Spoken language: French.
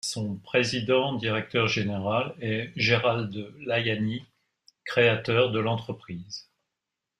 Son président-directeur-général est Gérald Layani, créateur de l'entreprise.